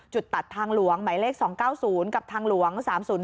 ตัดทางหลวงหมายเลข๒๙๐กับทางหลวง๓๐๔